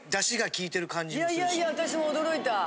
いやいや私も驚いた。